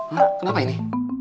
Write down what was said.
hah kenapa ini